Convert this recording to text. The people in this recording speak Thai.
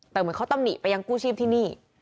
แต่เหมือนเขาตำหนิไปยังกู้ชีพที่นี่